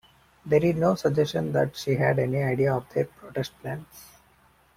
There is no suggestion that she had any idea of their protest plans.